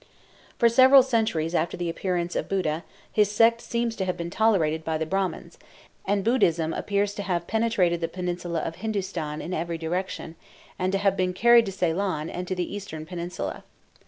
For several centuries after the appearance of Buddha, his sect seems to have been tolerated by the Brahmans, and Buddhism appears to have penetrated the peninsula of Hindustan in every direction, and to have been carried to Ceylon, and to the eastern peninsula.